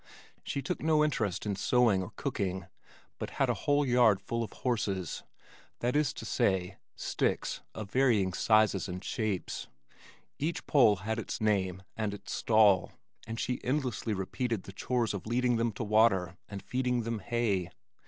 She took no interest in sewing, or cooking, but had a whole yard full of "horses," that is to say, sticks of varying sizes and shapes. Each pole had its name and its "stall" and she endlessly repeated the chores of leading them to water and feeding them hay.